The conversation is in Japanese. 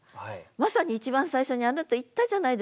まさに一番最初にあなた言ったじゃないですか。